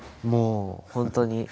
もう本当に。